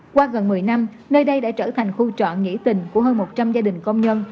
qua gần một mươi năm nơi đây đã trở thành khu trọn nghỉ tình của hơn một trăm linh gia đình công nhân